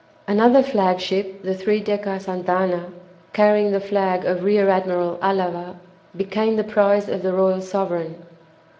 Another flagship, the three decker "Santa Ana," carrying the flag of Rear Admiral Alava, became the prize of the "Royal Sovereign."